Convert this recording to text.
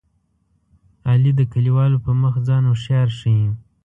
علي د کلیوالو په مخ ځان هوښیار ښيي.